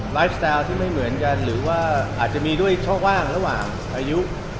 สตาร์ที่ไม่เหมือนกันหรือว่าอาจจะมีด้วยช่องว่างระหว่างอายุ